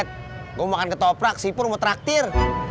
kaget betom akan ke toprak sipur mau traktir